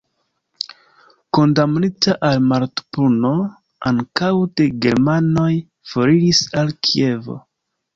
Kondamnita al mortpuno ankaŭ de germanoj, foriris al Kievo.